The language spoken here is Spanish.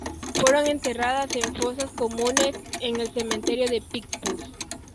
Fueron enterradas en fosas comunes en el cementerio de Picpus.